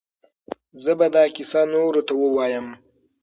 زه به دا کیسه نورو ته ووایم.